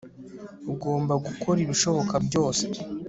ugomba gukora ibishoboka byose